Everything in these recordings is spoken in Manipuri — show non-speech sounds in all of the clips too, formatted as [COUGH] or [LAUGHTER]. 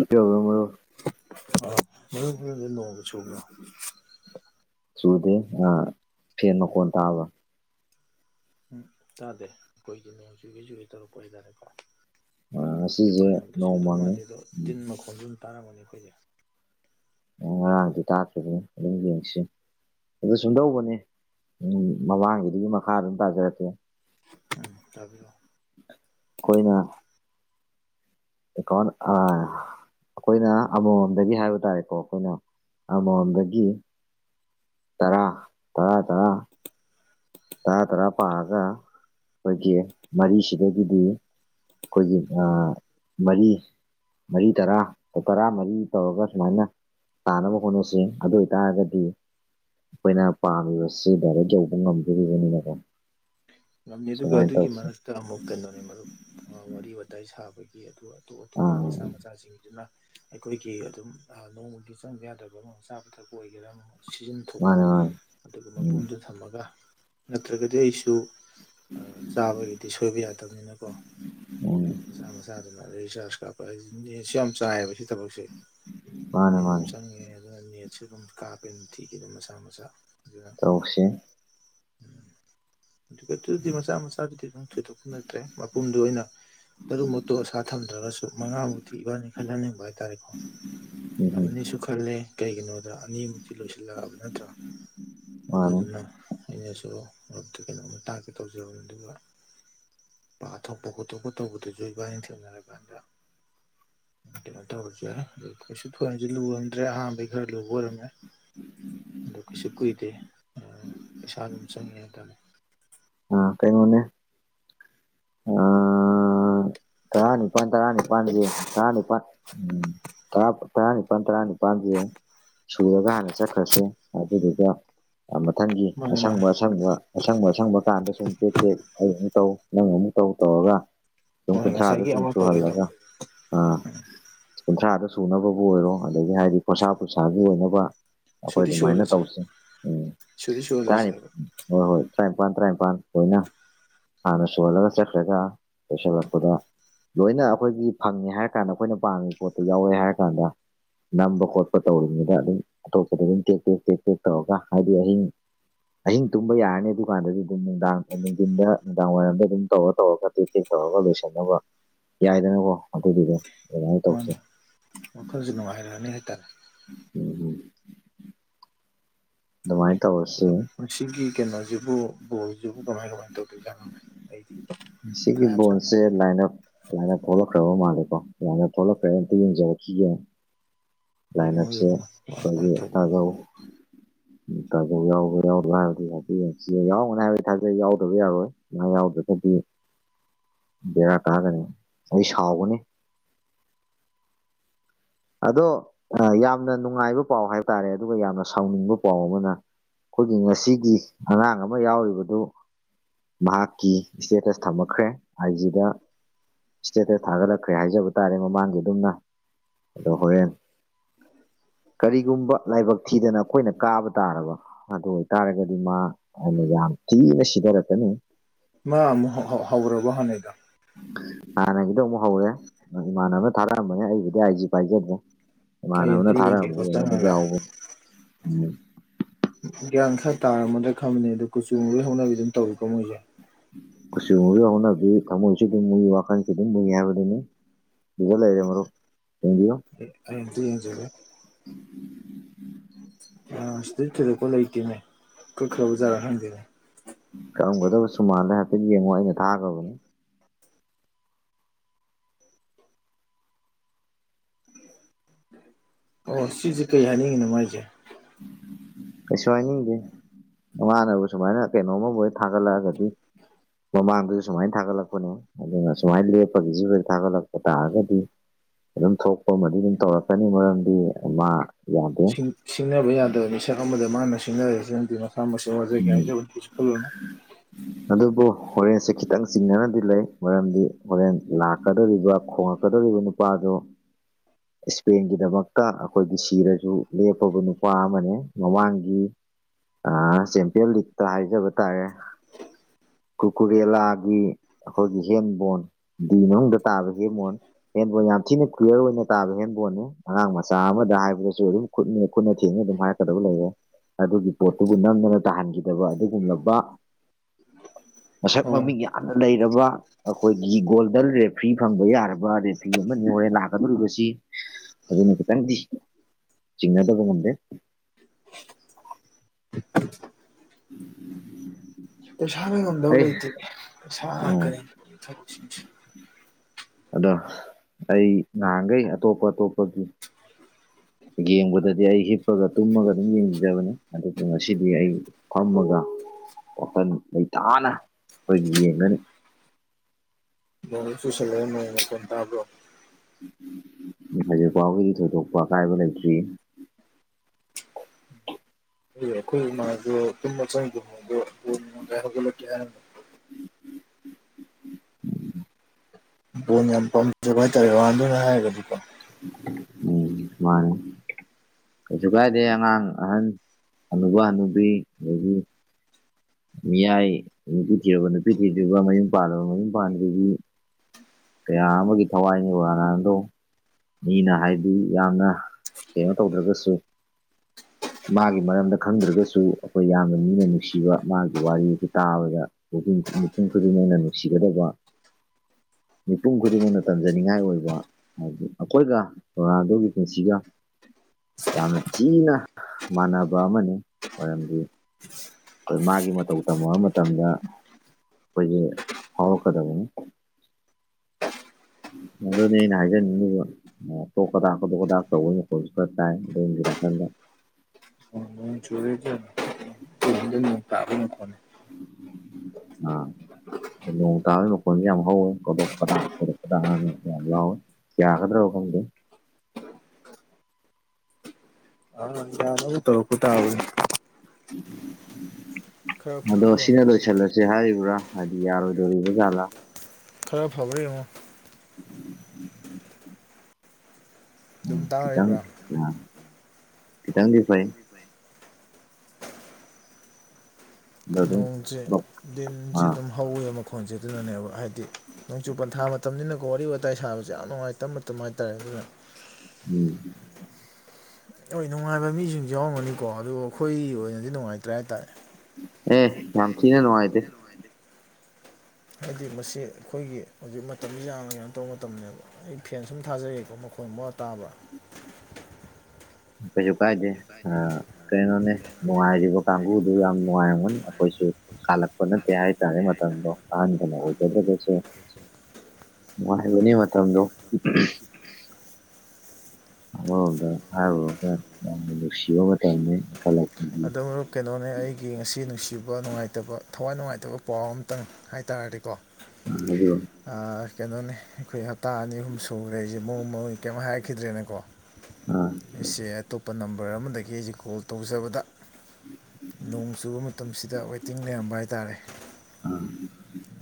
ꯑꯗꯨ [INAUDIBLE] ꯅꯣꯡꯆꯨꯕꯔꯣ [INAUDIBLE] ꯆꯨꯗꯦ ꯑ ꯐꯦꯟ ꯃꯈꯣꯟ ꯇꯥꯕꯔꯥ ꯎꯝ ꯇꯥꯗꯦ ꯑꯩꯈꯣꯏꯒꯤ ꯅꯣꯡ ꯆꯨꯒꯦ ꯆꯨꯒꯦ ꯇꯧꯔꯛꯄꯅꯤ ꯗꯅꯦ ꯀꯣ ꯉꯁꯤꯁꯦ ꯗꯨꯀꯥꯟꯅꯕꯨꯗꯤ ꯆꯨꯗꯧ ꯅꯣꯡꯃꯪꯉꯤ ꯃꯥꯥꯟꯗꯦ ꯑꯗꯣ ꯎꯝ ꯇꯤꯟ ꯃꯈꯣꯟ ꯑꯗꯨꯝ ꯇꯥꯔꯝꯒꯅꯤ ꯑꯩꯈꯣꯏꯒꯤ ꯑꯣ ꯉꯔꯥꯡꯗꯤ ꯇꯈꯤꯕꯅꯦ ꯑꯗꯨꯝ ꯌꯦꯡꯁꯤ ꯑꯗꯨ ꯁꯨꯝꯗꯧꯕꯅꯦ ꯎꯝ ꯃꯃꯥꯡꯒꯤꯗꯨꯒꯤ ꯃꯈꯥ ꯗꯨꯝ ꯇꯥꯖꯔꯛꯀꯦ ꯎꯝ ꯇꯥꯕꯤꯔꯣ ꯈꯣꯏꯅ ꯑꯦꯀꯥꯎꯟꯠ ꯑ ꯑꯩꯈꯣꯏꯅ ꯑꯃꯝꯃꯝꯗꯒꯤ ꯍꯥꯏꯕ ꯇꯥꯔꯦꯀꯣ ꯑꯩꯈꯣꯏꯅ ꯑꯃꯝꯃꯝꯗꯒꯤ ꯇꯔꯥ ꯇꯔꯥ ꯇꯔꯥ ꯇꯔꯥ ꯇꯔꯥ ꯄꯥꯔꯒ ꯑꯩꯈꯣꯏꯒꯤ ꯃꯔꯤꯁꯤꯗꯒꯤꯗꯤ ꯈꯣꯏꯒꯤ ꯑ ꯃꯔꯤ ꯃꯔꯤ ꯇꯔꯥ ꯇꯔꯥ ꯃꯔꯤ ꯇꯧꯔꯒ ꯁꯨꯃꯥꯏꯅ ꯇꯥꯅꯕ ꯍꯣꯠꯅꯁꯤ ꯑꯗꯨ ꯑꯣꯏꯇꯥꯔꯒꯗꯤ ꯈꯣꯏꯅ ꯄꯥꯝꯃꯤꯕꯁꯤ ꯗꯥꯏꯔꯦꯛ ꯌꯧꯕ ꯉꯝꯗꯣꯔꯤꯕꯅꯤꯅꯀꯣ ꯉꯝꯅꯤ ꯑꯗꯨꯒ ꯁꯨꯃꯥꯏꯅ ꯑꯗꯨꯒꯤ ꯇꯧꯁꯤ ꯃꯔꯛꯇ ꯑꯃꯨꯛ ꯀꯩꯅꯣꯅꯤ ꯃꯔꯨꯞ ꯋꯥꯔꯤ ꯋꯥꯇꯥꯏ ꯁꯥꯕꯒꯤ ꯒꯤ ꯑꯇꯣꯞ ꯑꯇꯣꯞ ꯑꯇꯣꯞꯄ ꯑꯥ ꯃꯆꯥ ꯃꯆꯥꯁꯤꯡ ꯑꯗꯨꯅ ꯑꯩꯈꯣꯏꯒꯤ ꯑꯗꯨꯝ ꯑ ꯅꯣꯡꯃꯒꯤ ꯆꯪꯗ ꯌꯥꯗꯕ ꯑꯃ ꯆꯥꯕ ꯊꯛꯄ ꯑꯣꯏꯒꯦꯔꯥ ꯑꯃ ꯁꯤꯖꯤꯟ ꯊꯣꯛꯄ ꯃꯥꯅꯦ ꯃꯥꯅꯦ ꯑꯗꯨꯒ ꯎꯝ ꯃꯄꯨꯝꯗꯨ ꯊꯝꯃꯒ ꯅꯠꯇ꯭ꯔꯒꯗꯤ ꯑꯩꯁꯨ ꯆꯥꯕꯒꯤꯗꯤ ꯁꯣꯏꯕ ꯌꯥꯗꯕꯅꯤꯅꯀꯣ ꯎꯝ ꯃꯆꯥ ꯃꯆꯥꯗꯨꯅ ꯔꯤꯆꯥꯔꯖ ꯀꯥꯞ ꯅꯦꯠꯁꯨ ꯌꯥꯝ ꯆꯥꯏꯌꯦꯕ ꯁꯤ ꯊꯕꯛꯁꯦ ꯃꯥꯅꯦ ꯅꯦꯠ ꯌꯥꯝ ꯃꯥꯅꯦ ꯆꯪꯉꯦ ꯑꯗꯨꯅ ꯅꯦꯠꯁꯤ ꯑꯗꯨꯝ ꯀꯥꯞꯄꯦ ꯅꯨꯡꯇꯤꯒꯤ ꯗꯨꯝ ꯃꯆꯥ ꯃꯆꯥ ꯗꯨꯨꯅꯥ ꯑꯣꯛꯁꯦꯟ ꯑꯗꯨꯒ ꯗꯨꯗꯤ ꯃꯆꯥ ꯃꯆꯥꯗꯨꯗꯤ ꯗꯨꯝ ꯊꯣꯏꯗꯣꯛꯄ ꯅꯠꯇꯔ꯭ꯦ ꯃꯄꯨꯝꯗꯨ ꯑꯣꯏꯅ ꯫ ꯇꯔꯨꯝꯕꯇꯣ ꯑꯁꯥ ꯊꯝꯗ꯭ꯔꯒꯁꯨ ꯃꯉꯥꯃꯨꯛꯇꯤ ꯏꯕꯥꯅꯤ ꯈꯜꯍꯟꯅꯤꯡꯕ ꯍꯥꯏꯇꯥꯔꯦꯀꯣ꯫ ꯎꯝ ꯉꯝꯅꯤꯁꯨ ꯎꯝ ꯈꯜꯂꯦ ꯀꯩꯒꯤꯅꯣꯗ ꯑꯅꯤꯃꯨꯛꯇꯤ ꯂꯣꯏꯁꯤꯜꯂꯛꯑꯕ ꯅꯠꯇ꯭ꯔꯥ ꯃꯥꯅꯦ ꯑꯗꯨꯗꯨꯅ ꯑꯩꯅꯁꯨ ꯃꯔꯨꯞꯇ ꯀꯩꯅꯣꯝꯃ ꯇꯥꯛꯀꯦ ꯇꯧꯖꯕꯅꯦ ꯗꯨꯒ ꯄꯥꯊꯣꯛꯄ ꯈꯣꯠꯊꯣꯛꯄ ꯇꯧꯕꯗꯖꯨ ꯏꯕꯅꯤ ꯊꯦꯡꯅꯥꯔꯀꯥꯟꯗ [INAUDIBLE] ꯀꯩꯅꯣ ꯇꯧꯔꯒꯦ ꯑꯗꯣ ꯀꯩꯁꯨ ꯊꯣꯏꯅꯗꯤ ꯂꯨꯔꯝꯗꯔ꯭ꯦ ꯑꯍꯥꯟꯕꯩ ꯈꯔ ꯂꯨꯕ ꯑꯣꯏꯔꯝꯃꯦ꯫ ꯑꯗꯨ ꯀꯩꯁꯨ ꯀꯨꯏꯗꯦ ꯄꯩꯁꯥ ꯑꯗꯨꯝ ꯆꯪꯅꯤ ꯍꯥꯏꯇꯥꯔꯦ꯫ ꯑ ꯀꯩꯅꯣꯅꯦ ꯉꯥ ꯇꯔꯥꯅꯤꯄꯥꯟ ꯇꯔꯥꯅꯤꯄꯟꯖꯦ ꯇꯔꯥꯅꯤꯄꯥꯟ ꯎꯝ ꯇꯔꯥ ꯇꯔꯥꯅꯤꯄꯥꯟ ꯇ꯭ꯔꯥꯅꯤꯄꯥꯟꯖꯦ꯫ ꯁꯨꯔꯒ ꯍꯥꯟꯅ ꯆꯠꯈ꯭ꯔꯁꯦ ꯑꯗꯨꯗꯨꯒ꯫ ꯑꯃꯊꯪꯒꯤ ꯃꯥꯅꯦ ꯃꯥꯅꯦ ꯑꯁꯪꯕ ꯑꯁꯪꯕ ꯑꯁꯪꯕ ꯑꯁꯪꯕ꯫ ꯀꯥꯟꯗ ꯁꯨꯝ ꯇꯦꯛ ꯇꯦꯛ ꯑꯩꯅ ꯑꯃꯨꯛ ꯇꯧ ꯅꯪ ꯑꯃꯨꯛ ꯇꯧ ꯇꯧꯔꯒ꯫ ꯗꯨꯝ ꯍꯣꯏ ꯀꯨꯟꯊ꯭ꯔꯥꯗꯣ ꯉꯁꯥꯏꯒꯤ ꯁꯨꯝ ꯑꯃ ꯇꯧꯔꯦꯗꯣ ꯁꯨꯍꯜꯂꯒ꯫ ꯑ ꯀꯨꯟꯊ꯭ꯔꯥꯗꯣ ꯁꯨꯅꯕꯕꯨ ꯑꯣꯏꯔꯣ ꯑꯗꯒꯤ ꯍꯥꯏꯗꯤ ꯈꯣꯔꯁꯥ ꯄꯨꯁꯥꯒꯤ ꯑꯣꯏꯅꯕ꯫ ꯑꯩꯈꯣꯏ ꯁꯨꯗꯤ ꯑꯗꯨꯃꯥꯏꯅ ꯁꯨꯍꯜꯂꯁꯦ ꯇꯧꯁꯤ ꯎꯝ ꯁꯨꯗꯤ ꯇꯔꯥꯅꯤ ꯁꯨꯍꯜꯂꯁꯦꯕ ꯍꯣꯏ ꯍꯣꯏ ꯇꯔ꯭ꯥꯏꯅꯤꯄꯥꯥꯟ ꯇꯔ꯭ꯥꯏꯟ꯫ ꯄꯥꯟ ꯂꯣꯏꯅ ꯍꯥꯟꯅ ꯁꯨꯍꯜꯂꯒ ꯆꯠꯈ꯭ꯔꯒ ꯂꯣꯏꯁꯤꯜꯂꯛꯄꯗ꯫ ꯂꯣꯏꯅ ꯑꯩꯈꯣꯏꯒꯤ ꯐꯪꯉꯦ ꯍꯥꯏꯔ ꯀꯥꯟꯗ ꯑꯩꯈꯣꯏꯅ ꯄꯥꯝꯃꯤꯕ ꯄꯣꯠꯇꯣ ꯌꯥꯎꯋꯦ ꯍꯥꯏꯔ ꯀꯥꯟꯗ꯫ ꯅꯝꯕ ꯈꯣꯠꯄ ꯇꯧꯔꯤꯉꯩꯗ ꯑꯗꯨꯝ ꯑꯇꯣꯞꯄꯗ ꯑꯗꯨꯝ ꯇꯦꯛ ꯇꯦꯛ ꯇꯦꯛ ꯇꯦꯛ ꯇꯧꯔꯒ ꯍꯥꯏꯗꯤ ꯑꯍꯤꯡ꯫ ꯑꯍꯤꯡ ꯇꯨꯝꯕ ꯌꯥꯔꯅꯤ ꯗꯨꯀꯥꯟꯗꯗꯤ꯫ ꯑꯗꯨꯝ ꯅꯨꯡꯗꯥꯡ ꯅꯨꯡꯗꯤꯟꯗ ꯅꯨꯡꯗꯥꯡ ꯋꯥꯏꯔꯝꯗ ꯑꯗꯨꯝ ꯇꯧꯔ ꯇꯧꯔꯒ ꯇꯦꯛ ꯇꯦꯛ ꯇꯧꯔꯒ ꯂꯣꯏꯁꯟꯅꯕ꯫ ꯌꯥꯏꯗꯅꯀꯣ ꯑꯗꯨꯗꯨꯗꯤ ꯑꯗꯨꯃꯥꯏꯅ ꯇꯧꯁꯤ꯫ ꯌꯥꯔꯅꯤ ꯍꯥꯏꯇꯥꯔꯦ꯫ ꯎꯝ ꯗꯨꯃꯥꯏꯅ ꯇꯧꯔꯁꯤ꯫ ꯑꯗꯣ ꯉꯁꯤꯒꯤ ꯀꯩꯅꯣꯖꯤꯕꯨ ꯕꯣꯜꯖꯤꯕꯨ ꯀꯃꯥꯏ ꯀꯃꯥꯏ ꯇꯧꯗꯣꯏꯖꯥꯠꯅꯣꯅꯦ ꯫ ꯑꯩꯗꯤ꯫ ꯉꯁꯤꯒꯤ ꯕꯣꯟꯁꯦ ꯂꯥꯏꯟ ꯑꯞ꯫ ꯗꯨꯃꯥꯏꯅ ꯊꯣꯛꯂꯛꯈ꯭ꯔꯕ ꯃꯥꯜꯂꯦꯀꯣ ꯗꯨꯃꯥꯏꯅ ꯊꯣꯛꯂꯛꯈ꯭ꯔꯦ ꯑꯝꯇ ꯌꯦꯡꯖꯔꯛꯈꯤꯒꯦꯅ꯫ ꯂꯥꯏꯟ ꯌꯦꯡꯉꯣ ꯑꯞꯁꯦ ꯌꯦꯡꯉꯣ ꯀꯃꯥꯏ ꯀꯃꯥꯏ ꯑꯩꯈꯣꯏꯒꯤ ꯇꯧꯕꯅꯣ ꯇꯥꯖꯧ꯫ ꯇꯥꯖꯧ ꯌꯥꯎꯕ ꯌꯥꯎꯗꯕ꯭ꯔꯥ ꯍꯥꯏꯕꯗꯨ ꯌꯦꯡꯉꯛꯈꯤꯒꯦ ꯉꯁꯤ ꯌꯥꯎꯔꯝꯒꯅꯤ ꯍꯥꯏꯕꯗꯤ ꯊꯥꯖꯩ ꯌꯥꯎꯗꯕ ꯌꯥꯔꯣꯏ꯫ ꯃꯥ ꯌꯥꯎꯗ꯭ꯔꯒꯗꯤ꯫ ꯕꯦꯔꯥ ꯀꯥꯒꯅꯤ ꯑꯩ ꯁꯥꯎꯒꯅꯤ꯫ ꯑꯗꯣ ꯑꯥ ꯌꯥꯝꯅ ꯅꯨꯡꯉꯥꯏꯕ ꯄꯥꯎ ꯍꯥꯏꯕ ꯇꯥꯔꯦ ꯑꯗꯨꯒ ꯌꯥꯝꯅ ꯁꯥꯎꯅꯤꯡꯕ ꯄꯥꯎ ꯑꯃꯅ꯫ ꯑꯩꯈꯣꯏꯒꯤ ꯉꯁꯤꯒꯤ ꯑꯉꯥꯡ ꯑꯃ ꯌꯥꯎꯔꯤꯕꯗꯨ꯫ ꯃꯍꯥꯛꯀꯤ ꯏꯁꯇꯦꯇꯁ ꯊꯝꯃꯛꯈ꯭ꯔꯦ꯫ ꯑꯥꯏ ꯖꯤꯗ ꯏꯁꯇꯦꯇꯁ ꯊꯥꯒꯠꯂꯛꯈ꯭ꯔꯦ ꯍꯥꯏꯖꯕ ꯇꯥꯔꯦ ꯃꯃꯥꯡꯒꯤ ꯑꯗꯨꯝꯅ꯫ ꯑꯗꯣ ꯍꯣꯔꯦꯟ ꯀꯔꯤꯒꯨꯝꯕ ꯂꯥꯏꯕꯛ ꯊꯤꯗꯅ ꯑꯩꯈꯣꯏꯅ ꯀꯥꯕ ꯇꯥꯔꯕ꯫ ꯑꯗꯨ ꯑꯣꯏꯇꯥꯔꯒꯗꯤ ꯃꯥ ꯑꯩꯅ ꯌꯥꯝ ꯊꯤꯅ ꯁꯤꯙꯔꯛꯀꯅꯤ꯫ ꯃꯥ ꯑꯃꯨꯛ ꯍꯧ ꯍꯧ ꯍꯧꯔꯕ ꯍꯅꯩꯗꯣ ꯫ ꯍꯥꯟꯅꯒꯤꯗꯣ ꯑꯃꯨꯛ ꯍꯧꯔꯦ ꯏꯃꯥꯟꯅꯕꯅ ꯊꯥꯗꯛꯑꯝꯕꯅꯦ ꯑꯩꯕꯨꯗꯤ ꯑꯥꯏ ꯖꯤ ꯄꯥꯏꯖꯗ꯭ꯔꯦ꯫ ꯑꯩ ꯑꯝꯇ ꯏꯃꯥꯟꯅꯕꯅ ꯊꯥꯔꯛꯑꯝꯕ ꯌꯦꯡꯒꯦꯀꯣ ꯑꯩꯉꯣꯟꯗ ꯆꯪꯉꯒ ꯌꯥꯎꯕ ꯎꯝ ꯒ꯭ꯌꯥꯟ ꯈꯥ ꯇꯥꯔꯝꯃꯗ ꯈꯪꯗꯦ ꯑꯗꯣ ꯀꯨꯆꯨ ꯃꯨꯕꯩ ꯍꯧꯅꯕꯤꯗꯣ ꯇꯧꯋꯤꯀꯣ ꯃꯣꯏꯁꯦ ꯀꯨꯆꯨ ꯃꯨꯕꯩ ꯍꯧꯅꯕꯤ ꯊꯃꯣꯏꯁꯨ ꯗꯨꯝ ꯃꯨꯢ ꯋꯥꯈꯜꯁꯨ ꯗꯨꯝ ꯃꯨꯏ ꯍꯥꯏꯕꯗꯨꯅꯤ ꯁꯤꯗ ꯂꯩꯔꯦ ꯃꯔꯨꯞ ꯌꯦꯡꯕꯤꯌꯨ ꯎꯝ ꯑꯩ ꯑꯝꯇ ꯌꯦꯡꯖꯒꯦ [INAUDIBLE] ꯌꯥ ꯁꯤꯗꯗꯤ ꯊꯣꯏꯗꯣꯛꯄ ꯂꯩꯇꯦꯅꯦ ꯀꯛꯈ꯭ꯔꯕꯖꯥꯠꯂ ꯈꯪꯗꯦ ꯀꯛꯑꯝꯒꯗꯕꯁꯨ ꯃꯥꯟꯂꯦ ꯍꯥꯏꯐꯦꯠ ꯌꯦꯡꯉꯣ ꯑꯩꯗꯤ ꯊꯥꯈ꯭ꯔꯕꯅꯤ ꯑꯣ ꯁꯤꯁꯦ ꯀꯩ ꯍꯥꯏꯅꯤꯡꯉꯤꯅꯣ ꯃꯥꯏꯁꯦ ꯀꯩꯁꯨ ꯍꯥꯢꯅꯤꯡꯗꯦ ꯃꯥꯅꯕꯨ ꯁꯨꯃꯥꯏꯅ ꯀꯩꯅꯣꯝꯃ ꯃꯣꯏ ꯊꯥꯒꯠꯂꯛꯑꯒꯗꯤ ꯃꯃꯥꯡꯗꯁꯨ ꯁꯨꯃꯥꯏ ꯊꯥꯒꯠꯂꯛꯄꯅꯤ ꯑꯗꯨꯅ ꯁꯨꯃꯥꯏꯅ ꯂꯦꯞꯄꯒꯤꯁꯨ ꯂꯣꯢ ꯊꯥꯒꯠꯂꯛꯄ ꯇꯥꯔꯒꯗꯤ ꯑꯗꯨꯝ ꯊꯣꯛꯄ ꯑꯃꯗꯤ ꯑꯗꯨꯝ ꯇꯧꯔꯛꯀꯅꯤ ꯃꯔꯝꯗꯤ ꯃꯥ ꯌꯥꯗꯦ ꯁꯤꯡ ꯁꯤꯡꯅꯕ ꯌꯥꯗꯕ ꯃꯤꯁꯛ ꯑꯃꯗ ꯃꯥꯅ ꯁꯤꯡꯅꯔꯤꯁꯦ ꯃꯁꯥꯃꯛꯁꯦ ꯋꯥꯖꯒꯦ ꯍꯥꯏꯖꯕꯅꯦ ꯁ꯭ꯀꯨꯜꯗ ꯑꯗꯨꯕꯨ ꯍꯣꯔꯦꯟꯁꯦ ꯈꯤꯇꯪ ꯆꯤꯡꯅꯔꯞꯗꯤ ꯂꯩ ꯃꯔꯝꯗꯤ ꯍꯣꯔꯦꯟ ꯂꯥꯛꯀꯗꯧꯔꯤꯕ ꯈꯣꯡ ꯀꯗꯧꯔꯤꯕ ꯅꯨꯄꯥꯗꯣ ꯁ꯭ꯄꯦꯟꯒꯤꯗꯃꯛꯇ ꯑꯈꯣꯏꯒꯤ ꯁꯤꯔꯁꯨ ꯂꯦꯞꯄꯕ ꯅꯨꯄꯥ ꯑꯃꯅꯦ ꯃꯃꯥꯡꯒꯤ ꯑꯥ ꯆꯦꯝꯄꯤꯌꯟ ꯂꯤꯛꯇ ꯍꯥꯏꯖꯕ ꯇꯥꯔꯦ ꯀꯨꯀꯨꯔꯦ ꯂꯥꯛꯅꯤ ꯑꯈꯣꯏꯒꯤ ꯍꯦꯟꯕꯣꯟ ꯈꯨꯡꯒꯪꯗ ꯇꯥꯕ ꯍꯦꯟꯕꯣꯟ ꯍꯦꯟꯕꯣꯟ ꯌꯥꯝ ꯊꯤꯅ [UNINTELLIGIBLE] ꯑꯣꯏꯅ ꯇꯥꯕ ꯍꯦꯟꯕꯣꯟꯅꯤ ꯑꯉꯥꯡ ꯃꯆꯥ ꯑꯃꯗ ꯍꯥꯏꯕꯗꯁꯨ ꯑꯗꯨꯝ ꯈꯨꯠꯅꯤ ꯈꯨꯠꯅ ꯊꯦꯡꯅ ꯑꯗꯨꯝ ꯍꯥꯏꯔꯛꯀꯗꯕ ꯂꯩꯔꯦ ꯑꯗꯨꯒꯤ ꯄꯣꯠꯇꯨꯕꯨ ꯅꯝꯗꯅ ꯇꯥꯍꯟꯈꯤꯗꯕ ꯑꯗꯨꯒꯨꯝꯂꯕ ꯃꯁꯛ ꯑꯣ ꯃꯃꯤꯡ ꯌꯥꯝꯅ ꯂꯩꯔꯕ ꯑꯈꯣꯏꯒꯤ ꯒꯣꯜꯗꯟ ꯔꯦꯐ꯭ꯔꯤ ꯐꯪꯕ ꯌꯥꯔꯕ ꯔꯦꯐ꯭ꯔꯤ ꯑꯃꯅꯤ ꯍꯣꯔꯦꯟ ꯂꯥꯛꯀꯗꯧꯔꯤꯕꯁꯤ ꯑꯗꯨꯅ ꯈꯤꯇꯪꯗꯤ ꯆꯤꯡꯅꯗꯕ ꯉꯝꯗꯦ [INAUDIBLE] ꯄꯩꯁꯥꯅ ꯉꯝꯗꯕ ꯑꯩ ꯂꯩꯇꯦꯅꯦ ꯄꯩꯁꯥ ꯑꯣ ꯉꯥꯛꯇꯅꯤ ꯊꯕꯛꯁꯤꯡꯁꯤ ꯑꯗꯣ ꯑꯩ ꯅꯍꯥꯟꯒꯩ ꯑꯇꯣꯞꯄ ꯑꯇꯣꯞꯄꯒꯤ ꯌꯦꯡꯕꯗꯗꯤ ꯑꯩ ꯍꯤꯞꯄꯒ ꯇꯨꯝꯃꯒ ꯑꯗꯨꯝ ꯌꯦꯡꯖꯕꯅꯤ ꯑꯗꯨꯕꯨ ꯉꯁꯤꯗꯤ ꯑꯩ ꯐꯝꯃꯒ ꯋꯥꯈꯜ ꯂꯩꯇꯥꯅ ꯑꯈꯣꯏꯒꯤ ꯌꯦꯡꯒꯅꯤ ꯅꯣꯡꯁꯨ ꯆꯨꯁꯜꯂꯛꯑꯦ ꯅꯣꯏ ꯃꯈꯣꯟ ꯇꯥꯕ꯭ꯔꯣ ꯍꯧꯖꯤꯛ ꯐꯥꯎꯕꯒꯤ ꯊꯣꯏꯗꯣꯛꯄ ꯑꯀꯥꯏꯕ ꯂꯩꯇ꯭ꯔꯤ ꯈꯪꯗꯦ ꯑꯩꯈꯣꯏ ꯏꯃꯥꯖꯨ ꯇꯨꯝꯕ ꯆꯪꯒꯤꯕꯅꯦ ꯑꯗꯣ ꯕꯣꯜ ꯌꯧꯡꯂꯝꯗꯥꯏ ꯍꯧꯒꯠꯂꯛꯀꯦ ꯕꯣꯜ ꯌꯥꯝ ꯄꯥꯝꯖꯕ ꯍꯥꯏꯇꯥꯔꯦ ꯔꯣꯅꯥꯜꯗꯣꯅꯦ ꯍꯥꯏꯔꯒꯗꯤꯀꯣ ꯎꯝ ꯃꯥꯅꯦ ꯀꯩꯁꯨ ꯀꯥꯏꯗꯦ ꯑꯉꯥꯡ ꯑꯍꯟ ꯍꯅꯨꯕ ꯍꯅꯨꯕꯤ ꯑꯗꯒꯤ ꯃꯤꯌꯥꯏ ꯅꯨꯄꯤ ꯊꯤꯔꯕ ꯅꯨꯄꯤ ꯊꯤꯗꯔꯤꯕ ꯃꯌꯨꯝ ꯄꯥꯟꯂꯕ ꯃꯌꯨꯝ ꯄꯥꯟꯗꯔꯤꯕꯤ ꯀꯌꯥ ꯑꯃꯒꯤ ꯊꯋꯥꯏꯅꯤ ꯔꯣꯅꯥꯜꯗꯣ ꯃꯤꯅ ꯍꯥꯏꯗꯤ ꯌꯥꯝꯅ ꯀꯩꯅꯣ ꯇꯧꯗ꯭ꯔꯒꯁꯨ ꯃꯥꯒꯤ ꯃꯔꯝꯗ ꯈꯪꯗ꯭ꯔꯒꯁꯨ ꯑꯈꯣꯏ ꯌꯥꯝꯅ ꯃꯤꯅ ꯅꯨꯡꯁꯤꯕ ꯃꯥꯒꯤ ꯋꯥꯔꯤꯁꯤ ꯇꯥꯕꯗ ꯃꯤꯄꯨꯝ ꯈꯨꯗꯤꯡꯃꯛꯅ ꯅꯨꯡꯁꯤꯒꯗꯧꯕ ꯃꯤꯄꯨꯝ ꯈꯨꯗꯤꯡꯃꯛꯅ ꯇꯝꯖꯅꯤꯡꯉꯥꯏ ꯑꯣꯏꯕ ꯍꯥꯏꯗꯤ ꯑꯩꯈꯣꯏꯒ ꯔꯣꯅꯥꯜꯗꯣꯒꯤ ꯄꯨꯟꯁꯤꯒ ꯌꯥꯝꯅ ꯊꯤꯅ ꯃꯥꯟꯅꯕ ꯑꯃꯅꯤ ꯃꯔꯝꯗꯤ ꯃꯥꯒꯤ ꯃꯇꯧ ꯇꯝꯃꯛꯑ ꯃꯇꯝꯗ ꯈꯣꯏꯒꯤ ꯐꯥꯎꯔꯛꯀꯗꯕꯅꯤ ꯃꯗꯨꯅꯦ ꯑꯩꯅ ꯍꯥꯏꯖꯅꯤꯡꯂꯤꯕ ꯇꯣꯛ ꯀꯗꯥꯥꯛ ꯀꯣꯗꯣꯛ ꯀꯗꯥꯛ ꯇꯧꯔ ꯃꯇꯝꯁꯤꯗ ꯇꯥꯏ ꯑꯗꯣꯝꯒꯤ ꯅꯥꯀꯟꯗ [UNINTELLIGIBLE] ꯖꯤꯡꯒꯗ ꯅꯣꯡ ꯇꯥꯕꯩ ꯃꯈꯣꯟꯅꯦ [UNINTELLIGIBLE] ꯑꯥ ꯅꯣꯡ ꯇꯥꯕꯒꯤ ꯃꯈꯣꯟꯁꯦ ꯌꯥꯝ ꯍꯧꯋꯦ ꯀꯣꯗꯣꯛ ꯀꯗꯥꯛ ꯀꯣꯗꯣꯛ ꯀꯗꯥꯛꯑꯅ ꯌꯥꯝ ꯂꯥꯎꯋꯦ ꯌꯥꯒꯗ꯭ꯔꯣ ꯈꯪꯗꯦ ꯑꯥ ꯌꯥꯅꯕ ꯇꯧꯔꯛꯄ ꯇꯥꯕꯅꯤ ꯈꯔ [UNINTELLIGIBLE] ꯑꯗꯣ ꯐꯕ꯭ꯔꯥ ꯁꯤꯅ ꯌꯦꯡꯉꯣ ꯂꯣꯏꯁꯤꯜꯂꯁꯦ ꯍꯥꯏꯔꯤꯕ꯭ꯔꯥ ꯍꯥꯏꯗꯤ ꯌꯥꯔꯣꯏꯗꯣꯔꯤꯕ ꯖꯥꯠꯂꯥ ꯈꯔ ꯐꯕ꯭ꯔꯥ ꯌꯦꯡꯉꯣ [UNINTELLIGIBLE] ꯑꯗꯨꯝ ꯇꯥꯔꯤꯕ꯭ꯔꯥ ꯌꯥ ꯈꯤꯇꯪꯗꯤ ꯐꯩ ꯑꯗꯣ ꯅꯣꯡꯁꯦ ꯑꯗꯨꯝ ꯗꯤꯟꯁꯦ ꯑꯥ ꯑꯗꯨꯝ ꯍꯧꯋꯦ ꯃꯈꯣꯟꯁꯦ ꯑꯗꯨꯅꯅꯦꯕ ꯍꯥꯏꯗꯤ ꯅꯣꯡꯆꯨ ꯄꯟꯊꯥ ꯃꯇꯝꯅꯤꯅꯀꯣ ꯋꯥꯔꯤ ꯋꯥꯇꯥꯏ ꯁꯥꯕꯁꯦ ꯌꯥꯝ ꯅꯨꯡꯉꯥꯏꯇꯕ ꯃꯇꯝ ꯍꯥꯏꯇꯥꯔꯦ ꯑꯗꯨꯅ ꯎꯝ ꯍꯣꯏ ꯅꯨꯡꯉꯥꯏꯕ ꯃꯤꯁꯤꯡꯁꯨ ꯌꯥꯎꯔꯝꯒꯅꯤꯀꯣ ꯑꯗꯨꯕꯨ ꯑꯩꯈꯣꯏꯒꯤ ꯑꯣꯏꯅꯗꯤ ꯅꯨꯡꯉꯥꯏꯇ꯭ꯔꯦ ꯍꯥꯏꯇꯥꯔꯦ ꯑꯦ ꯌꯥꯝ ꯊꯤꯅ ꯅꯨꯡꯉꯥꯏꯇꯦ ꯍꯥꯏꯗꯤ ꯃꯁꯤ ꯑꯩꯈꯣꯏꯒꯤ ꯍꯧꯖꯤꯛ ꯃꯇꯝꯖꯤ ꯌꯥꯝꯅ ꯀꯩꯅꯣ ꯇꯧꯕ ꯃꯇꯝꯅꯦꯕ ꯑꯩ ꯐꯦꯟ ꯁꯨꯝ ꯊꯥꯖꯒꯦꯀꯣ ꯃꯈꯣꯟ__ [UNINTELLIGIBLE] ꯇꯥꯕ꯭ꯔꯥ ꯀꯩꯁꯨ ꯀꯥꯏꯗꯦ ꯑ ꯀꯩꯅꯣꯅꯦ ꯅꯨꯡꯉꯥꯏꯔꯤꯕ ꯀꯥꯡꯒꯨꯗꯨ ꯌꯥꯝ ꯅꯨꯡꯉꯥꯏꯔꯝꯒꯅꯤ ꯑꯈꯣꯏꯁꯨ ꯀꯥꯜꯂꯛꯄ ꯅꯠꯇ ꯍꯥꯏꯇꯥꯔꯦ ꯃꯇꯝꯗꯣ ꯑꯍꯜ ꯐꯅ ꯑꯣꯏꯖꯗ꯭ꯔꯒꯁꯨ ꯅꯨꯡꯉꯥꯏꯕꯅꯤ ꯃꯇꯝꯗꯣ [UNINTELLIGIBLE] ꯑꯃꯔꯣꯝꯗ ꯍꯥꯏꯔꯨꯔꯒ ꯌꯥꯝꯅ ꯅꯨꯡꯁꯤꯕ ꯃꯇꯝꯅꯤ ꯏꯡꯈꯠꯂꯛ__ ꯑꯗꯣ ꯃꯔꯨꯞ ꯀꯩꯅꯣꯅꯦ ꯑꯩꯒꯤ ꯉꯁꯤ ꯅꯨꯡꯁꯤꯕ ꯅꯨꯡꯉꯥꯏꯇꯕ ꯊꯋꯥꯏ ꯅꯨꯡꯉꯥꯏꯇꯕ ꯄꯥꯎ ꯑꯝꯇꯪ ꯍꯥꯏꯇꯥꯔꯗꯤꯀꯣ ꯎꯝ ꯍꯥꯏꯕꯤꯔꯛꯑꯣ ꯑ ꯀꯩꯅꯣꯅꯤ ꯑꯩꯈꯣꯏ ꯍꯞꯇꯥ ꯑꯅꯤ ꯑꯍꯨꯝ ꯁꯨꯈ꯭ꯔꯦ ꯑꯩꯁꯦ ꯃꯑꯣꯡ ꯃꯑꯣꯡ ꯀꯩꯝ ꯍꯥꯏꯔꯛꯈꯤꯗ꯭ꯔꯦꯅꯦꯀꯣ ꯑꯥ ꯑꯩꯁꯦ ꯑꯇꯣꯞꯄ ꯅꯝꯕꯔ ꯑꯃꯗꯒꯤ ꯑꯩꯁꯦ ꯀꯣꯜ ꯇꯧꯖꯕꯗ [UNINTELLIGIBLE] ꯅꯣꯡ ꯆꯨꯕ ꯃꯇꯝꯁꯤꯗ ꯋꯦꯇꯤꯡ ꯂꯩꯔꯝꯕ ꯍꯥꯏꯇꯥꯔꯦ ꯎꯝ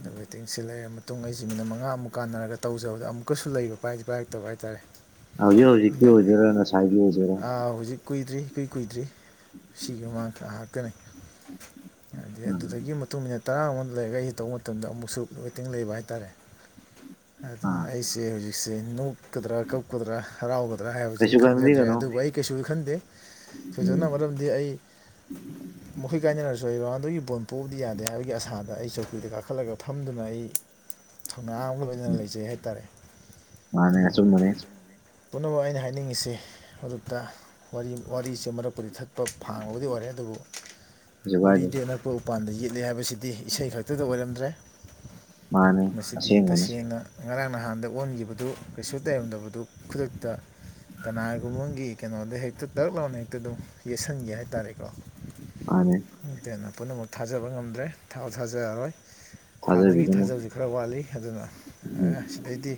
ꯑꯗ ꯋꯦꯇꯤꯡꯁꯤ ꯂꯩꯔ ꯃꯇꯨꯡ ꯑꯩꯁꯦ ꯃꯤꯅꯤꯠ ꯃꯉꯥ ꯃꯨꯛ ꯀꯥꯟꯅꯔꯒ ꯇꯧꯖꯕꯗ ꯑꯃꯨꯛꯀꯁꯨ ꯂꯩꯕ ꯄꯥꯏꯗꯤ ꯄꯥꯏꯔꯛꯇꯕ ꯍꯥꯏꯇꯥꯔꯦ ꯍꯧꯖꯤꯛ ꯍꯧꯖꯤꯛꯀꯤ ꯑꯣꯏꯗꯣꯏꯔꯥ ꯉꯁꯥꯏꯒꯤ ꯑꯣꯏꯗꯣꯏꯔꯥ [UNINTELLIGIBLE] ꯑ ꯍꯧꯖꯤꯛ ꯀꯨꯏꯗ꯭ꯔꯤ ꯏꯀꯨꯏ ꯀꯨꯏꯗ꯭ꯔꯤ ꯁꯤꯒꯤ ꯃꯃꯥꯡ ꯉꯍꯥꯛꯇꯅꯤ ꯑꯗꯩ ꯑꯗꯨꯗꯒꯤ ꯃꯇꯨꯡ ꯃꯤꯅꯤꯠ ꯇꯔꯥꯃꯨꯛ ꯂꯩꯔꯒ ꯑꯩꯁꯦ ꯇꯧꯕ ꯃꯇꯝꯗ ꯑꯃꯨꯛ ꯑꯃꯨꯛꯁꯨ ꯋꯦꯇꯤꯡ ꯂꯩꯕ ꯍꯥꯏꯇꯥꯔꯦ ꯑꯗꯨꯅ ꯑꯥ ꯑꯩꯁꯦ ꯍꯧꯖꯤꯛꯁꯦ ꯅꯣꯛꯀꯗ꯭ꯔꯥ ꯀꯞ__ ꯀꯗ꯭ꯔꯥ ꯍꯔꯥꯎꯒꯗ꯭ꯔꯥ ꯍꯥꯏꯕꯁꯤ ꯀꯩꯁꯨ ꯑꯩ ꯈꯪꯖꯗ꯭ꯔꯦ ꯈꯟꯕꯤꯒꯅꯨ ꯑꯗꯨꯕꯨ ꯑꯩ ꯀꯩꯁꯨ ꯈꯟꯗꯦ ꯊꯣꯏꯗꯣꯛꯅ ꯎꯝ ꯃꯔꯝꯗꯤ ꯑꯩ ꯃꯈꯣꯏ ꯀꯥꯏꯅꯔꯁꯨ ꯑꯩ ꯔꯣꯅꯥꯜꯗꯣꯒꯤ ꯕꯣꯜ ꯄꯣꯕꯗꯤ ꯌꯥꯗꯦ ꯍꯥꯏꯕꯒꯤ ꯑꯥꯁꯥꯗ ꯑꯩ ꯆꯧꯀ꯭ꯔꯤꯗ ꯀꯥꯈꯠꯂꯒ ꯐꯝꯗꯨꯅ ꯑꯩ ꯊꯧꯅꯥ ꯑꯃꯒ ꯂꯣꯏꯅ__ [UNINTELLIGIBLE] ꯅ ꯎꯝ ꯂꯩꯖꯩ ꯍꯥꯏꯇꯥꯔꯦ ꯃꯥꯅꯦ ꯑꯗꯨꯕꯨ [UNINTELLIGIBLE] ꯑꯆꯨꯝꯕꯅꯦ ꯄꯨꯝꯅꯃꯛ ꯑꯩꯅ ꯍꯥꯏꯅꯤꯡꯉꯤꯁꯦ ꯃꯔꯨꯞꯇ ꯋꯥꯔꯤ ꯋꯥꯔꯤꯁꯦ ꯃꯔꯛꯄꯨꯗꯤ ꯊꯠ__ ꯐꯥꯡꯕꯕꯨꯗꯤ ꯑꯣꯏꯔꯦ ꯑꯗꯨꯕꯨ ꯀꯩꯁꯨ ꯀꯥꯏꯗꯦ ꯎꯔꯤꯗꯤ ꯑꯅꯛꯄ ꯎꯄꯥꯟꯗ ꯌꯦꯠꯂ ꯍꯥꯏꯕꯁꯤꯗꯤ ꯏꯁꯩ ꯈꯛꯇꯗ ꯑꯣꯏꯔꯝꯗ꯭ꯔꯦ ꯃꯥꯅꯦ ꯃꯁꯤꯗꯤ ꯑꯁꯦꯡꯕꯅꯤ ꯇꯁꯦꯡꯅ ꯉꯔꯥꯡ ꯅꯍꯥꯟꯗ ꯑꯣꯟꯈꯤꯕꯗꯨ ꯀꯩꯁꯨ ꯇꯩꯔꯝꯗꯕꯗꯨ ꯈꯨꯗꯛꯇ ꯀꯅꯥꯒꯨꯝꯕ ꯑꯃꯒꯤ ꯀꯩꯅꯣꯗ ꯍꯦꯛꯇ ꯇꯛ ꯂꯥꯎꯅ ꯍꯦꯛꯇ ꯑꯗꯨꯝ ꯌꯦꯠꯁꯟꯒꯤ ꯍꯥꯏꯇꯥꯔꯦꯀꯣ ꯃꯥꯅꯦ ꯑꯗꯨꯅ ꯄꯨꯝꯅꯃꯛ ꯊꯥꯖꯕ ꯉꯝꯗ꯭ꯔꯦ ꯊꯥꯁꯨ ꯊꯥꯖꯔꯔꯣꯏ ꯍꯥꯟꯅꯗꯒꯤ ꯊꯥꯖꯕꯤꯒꯅꯨ ꯊꯥꯖꯕꯁꯤ ꯈꯔ ꯋꯥꯠꯂꯤ ꯑꯗꯨꯅ ꯎꯝ ꯁꯤꯗꯩꯗꯤ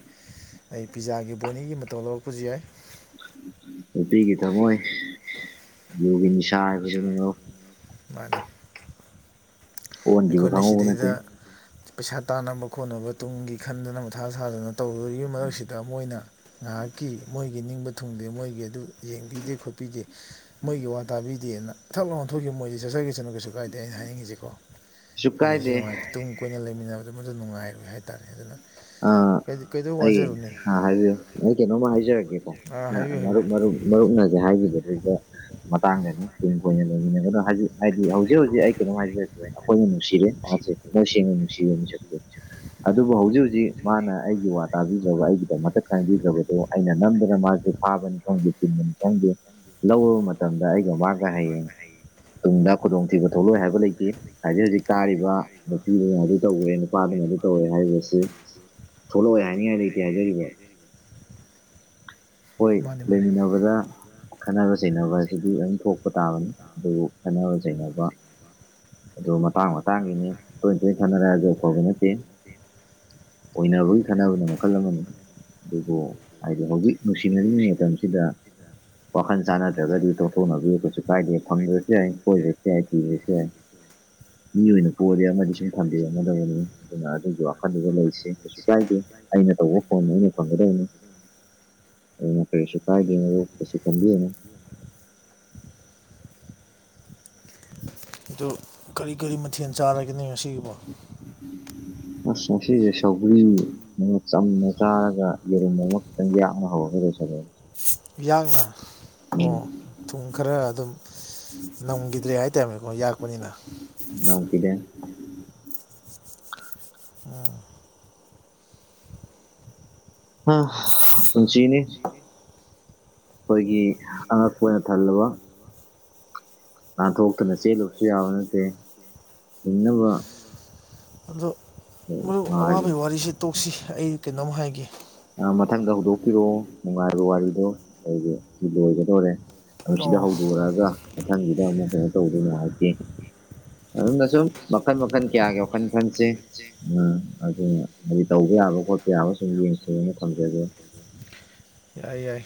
ꯑꯩ ꯄꯤꯖꯥꯒꯤ ꯕꯣꯅꯤꯒꯤ ꯃꯇꯧ ꯂꯧꯔꯛꯄꯁꯨ ꯌꯥꯏ ꯅꯨꯄꯤꯒꯤ ꯊꯝꯃꯣꯏ ꯌꯨꯒꯤ ꯅꯤꯁꯥ ꯍꯥꯏꯕꯗꯨꯅꯤ ꯃꯔꯨꯞ ꯃꯥꯅꯦ ꯑꯣꯟꯈꯤꯕ ꯑꯩꯈꯣꯏꯅ ꯈꯪꯍꯧꯕ ꯅꯠꯇꯦ ꯁꯤꯗꯩꯗ ꯄꯩꯁꯥ ꯇꯥꯟꯅꯕ ꯈꯣꯠꯅꯕ ꯇꯨꯡꯒꯤ ꯈꯟꯗꯅ ꯃꯊꯥ ꯁꯥꯗꯅ ꯇꯧꯔꯤꯉꯩ ꯃꯔꯛꯁꯤꯗ ꯃꯣꯏꯅ ꯉꯥꯏꯍꯥꯛꯀꯤ ꯃꯣꯏꯒꯤ ꯅꯤꯡꯕ ꯊꯨꯡꯗꯦ ꯃꯣꯏꯒꯤ ꯑꯗꯨꯝ ꯌꯦꯡꯕꯤꯗꯦ ꯈꯣꯠꯄꯤꯗꯦ ꯃꯣꯏꯒꯤ ꯋꯥ ꯇꯥꯕꯤꯗꯦꯅ ꯊꯛ ꯂꯥꯎꯅ ꯑꯣꯟꯊꯣꯛꯈꯤꯕ ꯃꯣꯏꯗꯤ ꯆꯠꯆꯒꯤꯁꯅꯨ ꯀꯩꯁꯨ ꯀꯥꯏꯗꯦ ꯑꯩꯅ ꯍꯥꯏꯅꯤꯡꯉꯤꯁꯦꯀꯣ ꯀꯩꯁꯨ ꯍꯥꯏꯗꯤ ꯀꯥꯏꯗꯦ ꯍꯌꯦꯡꯋꯥꯏ ꯇꯨꯡ ꯀꯣꯏꯅ ꯂꯩꯃꯤꯟꯅꯕꯗꯨ ꯃꯗꯨ ꯅꯨꯡꯉꯥꯏꯔꯣꯏ ꯍꯥꯏꯇꯥꯔꯦ ꯑꯗꯨꯅ ꯑ ꯀꯩꯗꯧ ꯑꯩ ꯋꯥꯖꯔꯨꯅꯤ ꯍꯥ ꯍꯥꯏꯕꯤꯌꯨ ꯑꯩ ꯀꯩꯅꯣꯝꯃ ꯍꯥꯏꯖꯔꯛꯒꯦꯀꯣ ꯑꯥ ꯍꯥꯏꯕꯤꯌꯨ ꯍꯥꯏꯕꯤꯌꯨ ꯃꯔꯨꯞ ꯃꯔꯨꯞ ꯃꯔꯨꯞꯅ ꯍꯧꯖꯤꯛ ꯍꯥꯏꯒꯤꯕꯗꯨꯗ ꯃꯇꯥꯡꯗꯅꯤ ꯇꯨ ꯀꯣꯏꯅ ꯂꯩꯃꯤꯟꯅꯒꯅꯣ ꯍꯧꯖꯤꯛ ꯍꯥꯏꯗꯤ ꯍꯧꯖꯤꯛ ꯍꯧꯖꯤꯛ ꯑꯩ ꯀꯩꯅꯣꯝ ꯍꯥꯏꯖꯔꯛꯀꯦ ꯑꯩꯈꯣꯏꯅ ꯅꯨꯡꯁꯤꯔꯦ ꯃꯍꯥꯛꯁꯦ ꯊꯃꯣꯏꯁꯦꯡꯅ ꯅꯨꯡꯁꯤꯔꯦ ꯃꯤꯁꯛꯁꯦ ꯑꯗꯨꯕꯨ ꯍꯧꯖꯤꯛ ꯍꯧꯖꯤꯛ ꯍꯧꯖꯤꯛ ꯃꯥꯅ ꯑꯩꯒꯤ ꯋꯥ ꯇꯥꯕꯤꯗ꯭ꯔꯕ ꯑꯩꯒꯤꯗꯃꯛꯇ ꯈꯟꯕꯤꯗ꯭ꯔꯕꯗꯣ ꯑꯩꯅ ꯅꯝꯗꯅ ꯃꯥꯁꯦ ꯐꯥꯕꯅꯤ ꯈꯪꯗꯦ ꯄꯨꯟꯕꯅꯤ ꯈꯪꯗꯦ ꯂꯧꯔꯕ ꯃꯇꯝꯗ ꯑꯩꯒ ꯃꯥꯒ ꯍꯌꯦꯡ ꯇꯨꯡꯗ ꯈꯨꯗꯣꯡꯊꯤꯕ ꯊꯣꯛꯂꯛꯑꯣꯏ ꯍꯥꯏꯕ ꯂꯩꯇꯦ ꯍꯧꯖꯤꯛ ꯍꯧꯖꯤꯛ ꯇꯥꯔꯤꯕ ꯅꯨꯄꯤꯗꯨꯅ ꯑꯗꯨ ꯇꯧꯒ꯭ꯔꯦ ꯅꯨꯄꯥꯗꯨꯅ ꯑꯗꯨ ꯇꯧꯒ꯭ꯔꯦ ꯍꯥꯏꯔꯤꯕꯁꯤ ꯊꯣꯛꯂꯛꯑꯣꯏ ꯍꯥꯏꯅꯤꯡꯉꯥꯏ ꯂꯩꯇꯦ ꯍꯥꯏꯖꯔꯤꯕ ꯍꯣꯏ ꯃꯥꯅꯤ ꯃꯥꯅꯤ ꯂꯩꯃꯤꯟꯅꯕꯗ ꯈꯠꯅꯕ ꯆꯩꯅꯕ ꯍꯥꯏꯕꯁꯤꯗꯤ ꯑꯗꯨꯝ ꯊꯣꯛꯄ ꯇꯥꯕꯅꯤ ꯑꯗꯨꯕꯨ ꯈꯠꯅꯕ ꯆꯩꯅꯕ ꯑꯗꯨ ꯃꯇꯥꯡ ꯃꯇꯥꯡꯒꯤꯅꯤ ꯇꯣꯏ‌ ꯇꯣꯏ ꯈꯠꯅꯔꯦ ꯍꯥꯏꯕꯁꯨ ꯑꯐꯕ ꯅꯠꯇꯦ ꯑꯣꯏꯅꯕꯒꯤ ꯈꯠꯅꯕꯅ ꯃꯈꯜ ꯑꯃꯅꯤ ꯑꯗꯨꯕꯨ ꯍꯥꯏꯗꯤ ꯍꯧꯖꯤꯛ ꯅꯨꯡꯁꯤꯅꯔꯤꯉꯩ ꯃꯇꯝꯁꯤꯗ ꯋꯥꯈꯜ ꯆꯥꯟꯅꯗ꯭ꯔꯒꯗꯤ ꯇꯣꯛꯊꯣꯛꯅꯕꯤ ꯀꯩꯁꯨ ꯀꯥꯏꯗꯦ ꯐꯪꯗ꯭ꯔꯁꯨ ꯌꯥꯏ ꯀꯣꯏꯗ꯭ꯔꯥꯁꯨ ꯌꯥꯏ ꯊꯤꯕꯁꯨ ꯌꯥꯏ [INAUDIBLE] ꯃꯤ ꯑꯣꯏꯅ ꯄꯣꯛꯑꯗꯤ ꯑꯃꯗꯤ ꯁꯨꯝ ꯊꯝꯕꯤꯔꯝꯗꯧꯕꯅꯤ ꯑꯗꯨꯅ ꯑꯗꯨꯒꯤ ꯋꯥꯈꯜꯗꯨꯗ ꯂꯩꯁꯤ ꯀꯩꯁꯨ ꯀꯥꯏꯗꯦ ꯑꯩꯅ ꯇꯧꯕ ꯐꯣꯟꯅꯤ ꯑꯩꯅ ꯐꯪꯒꯗꯧꯅꯤ ꯑꯗꯨꯅ ꯀꯩꯩꯔꯤꯁꯨ ꯀꯥꯏꯗꯦ ꯑꯗꯨ ꯀꯩꯁꯨ ꯈꯟꯕꯤꯔꯨꯅꯨ ꯑꯗꯨ ꯀꯔꯤ ꯀꯔꯤ ꯃꯊꯦꯜ ꯆꯥꯔꯒꯦꯅꯦ ꯉꯁꯤꯒꯤꯕꯣ ꯑꯁ ꯉꯁꯤꯗꯤ ꯁꯧꯒꯔꯤ ꯑꯗꯨꯅ ꯆꯝꯅ ꯆꯥꯔꯒ ꯌꯦꯔꯨꯝ ꯑꯃ ꯈꯤꯇꯪ ꯌꯥꯛꯅ ꯍꯧꯔꯒ ꯂꯣꯏꯁꯟꯂꯦ ꯌꯥꯛꯅ ꯑꯣ ꯊꯨꯝ ꯈꯔ ꯑꯗꯨꯝ ꯅꯝꯈꯤꯗ꯭ꯔꯦ ꯍꯥꯏꯇꯥꯝꯅꯤꯀꯣ ꯌꯥꯛꯄꯅꯤꯅ ꯅꯝꯈꯤꯗꯦ ꯑꯥ ꯎꯝ ꯄꯨꯟꯁꯤꯅꯤ ꯑꯩꯈꯣꯏꯒꯤ ꯑꯉꯛꯄꯅ ꯊꯜꯂꯕ ꯅꯥꯟꯊꯣꯛꯇꯨꯅ ꯆꯦꯜꯂꯨꯕꯁꯨ ꯌꯥꯕ ꯅꯠꯇꯦ ꯍꯤꯡꯅꯕ ꯉꯥꯏꯕꯁꯨ ꯑꯋꯥꯕꯩ ꯋꯥꯔꯤꯁꯦ ꯇꯣꯛꯁꯤ ꯑꯩ ꯀꯩꯅꯣꯝ ꯍꯥꯏꯒꯦ ꯃꯊꯪꯗ ꯍꯧꯗꯣꯛꯄꯤꯔꯛꯑꯣ ꯅꯨꯡꯉꯥꯏꯕ ꯋꯥꯔꯤꯗꯣ ꯑꯩꯗꯤ ꯁꯤ ꯂꯣꯏꯒꯗꯣꯔꯦ꯫ ꯑꯗꯨ ꯑꯣ ꯁꯤꯗ ꯍꯧꯗꯣꯔꯛꯑꯒ ꯃꯊꯪꯒꯤꯗ ꯑꯃꯨꯛ ꯀꯩꯅꯣ ꯇꯧꯕꯗꯨꯗꯤ ꯅꯨꯉꯥꯏꯇꯦ꯫ ꯑꯗꯨꯝꯅ ꯁꯨꯝ ꯃꯈꯟ-ꯃꯈꯟ ꯀꯌꯥꯒꯤ ꯋꯥꯈꯜ ꯈꯟꯁꯦ꯫ ꯎꯝ ꯑꯗꯨꯅꯦ ꯀꯔꯤ ꯇꯧꯕ ꯌꯥꯕ ꯈꯣꯠꯄ ꯌꯥꯕ ꯁꯨꯝ ꯌꯦꯡꯁꯦꯅ ꯊꯝꯖꯒꯦ꯫ ꯌꯥꯏ ꯌꯥꯏ꯫